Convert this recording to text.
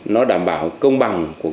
nó đảm bảo công bằng của